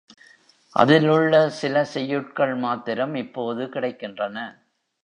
அதிலுள்ள சில செய்யுட்கள் மாத்திரம் இப்போது கிடைக்கின்றன.